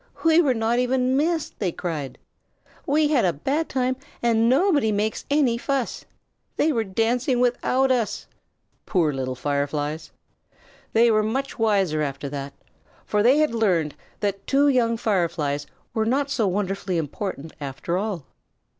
"We were not even missed!" they cried. "We had a bad time and nobody makes any fuss. They were dancing without us." Poor little Fireflies! They were much wiser after that, for they had learned that two young Fireflies were not so wonderfully important after all.